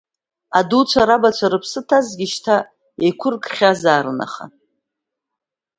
Адуцәа, рабацәа рыԥсы ҭазҭгьы, шьҭа еиқәыркхьазаарын, аха…